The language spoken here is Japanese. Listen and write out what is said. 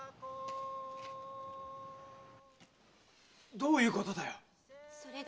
・どういうことだよ